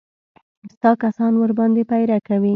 ستا کسان ورباندې پيره کوي.